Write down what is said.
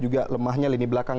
juga lemahnya lini belakang